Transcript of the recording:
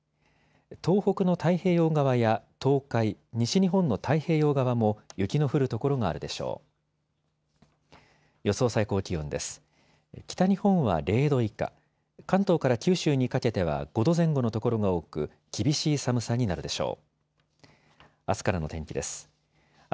東北の太平洋側や東海、西日本の太平洋側も雪の降る所があるでしょう。